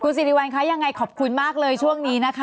สิริวัลคะยังไงขอบคุณมากเลยช่วงนี้นะคะ